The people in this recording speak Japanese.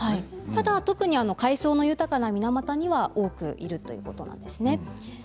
ただ特に海藻の豊かな水俣には多くいるということです。